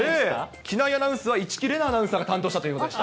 機内アナウンスは、市來玲奈アナウンサーが担当したということでした。